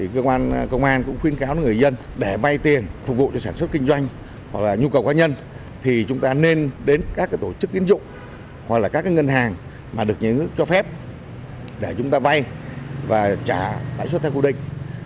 cơ quan công an cũng khuyên cáo người dân để vay tiền phục vụ cho sản xuất kinh doanh hoặc là nhu cầu cá nhân thì chúng ta nên đến các tổ chức tiến dụng hoặc là các ngân hàng mà được nhà nước cho phép để chúng ta vay và trả lãi suất theo quy định